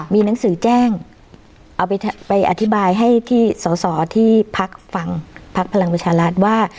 มีหนังสือแจ้งเอาไปอธิบายให้ที่ส่อที่ภักษ์ฝั่งภักษ์พลังประชาลัทธ์ว่า